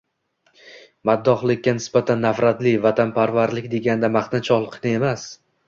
maddohlikka nisbatan nafratli, «vatanparvarlik» deganda maqtanchoqlikni emas